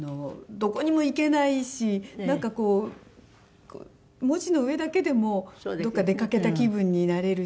どこにも行けないしなんかこう文字の上だけでもどこか出かけた気分になれるし。